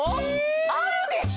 ⁉あるでしょ！